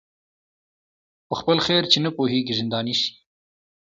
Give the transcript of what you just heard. په خپل خیر چي نه پوهیږي زنداني سي